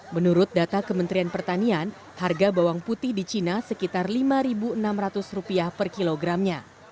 menurut data kementerian pertanian harga bawang putih di cina sekitar rp lima enam ratus per kilogramnya